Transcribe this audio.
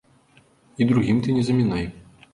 І другім ты не замінай.